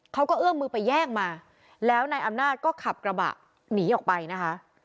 เอื้อมมือไปแย่งมาแล้วนายอำนาจก็ขับกระบะหนีออกไปนะคะ